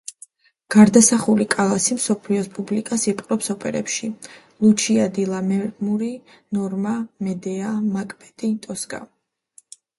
გარდასახული კალასი მსოფლიოს პუბლიკას იპყრობს ოპერებში: ლუჩია დი ლამერმური, ნორმა, მედეა, მაკბეტი, ტოსკა.